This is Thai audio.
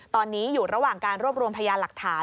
ตอนนี้อยู่ระหว่างการรวบรวมพยานหลักฐาน